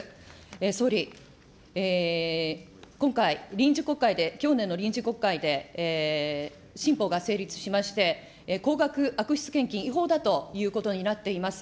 総理、今回、臨時国会で、去年の臨時国会で、新法が成立しまして、高額・悪質献金、違法だということになっています。